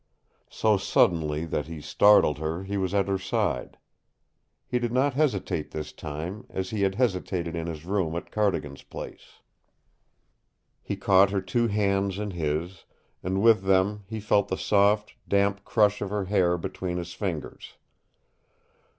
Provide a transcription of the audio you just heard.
'" So suddenly that he startled her he was at her side. He did not hesitate this time, as he had hesitated in his room at Cardigan's place. He caught her two hands in his, and with them he felt the soft, damp crush of her hair between his fingers.